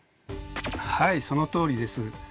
はいそのとおりです。